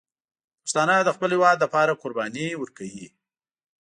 پښتانه د خپل هېواد لپاره قرباني ورکوي.